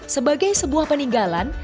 sebagai sebuah peninggalan